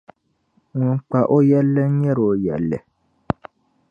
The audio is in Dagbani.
ŋun kpa o yɛlli n nyɛri o yɛlli.